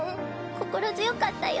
心強かったよ。